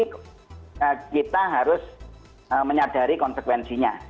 sekali lagi kita harus menyadari konsekuensinya